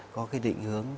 có cái định hướng